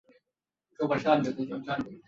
তিনি শিক্ষা জীবন শুরু করেন।